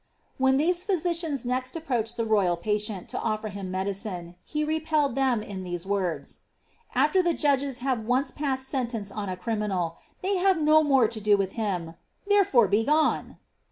When these physicians next approached the royal patient 9 offer him medicine, he repelled them in these words :^ After the ■dgee have once passed sentence on a criminal, they have no more to o with him ; therefore begone